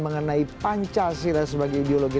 mengenai pancasila sebagai ideologi